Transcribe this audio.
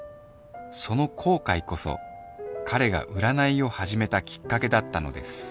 その後悔こそ彼が占いを始めたきっかけだったのです